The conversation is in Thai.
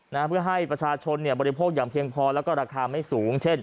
นะฮะเพื่อให้ประชาชนเนี่ยบริโภคอย่างเพียงพอแล้วก็ราคาไม่สูงเช่น